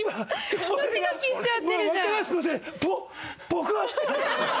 ドキドキしちゃってるじゃん。